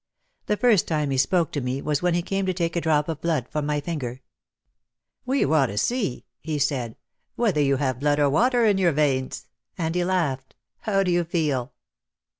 The first time he spoke to me was when he came to take a drop of blood from my finger. "We want to see," he said, "whether you have blood or water in your veins," and he laughed. "How do you feel?"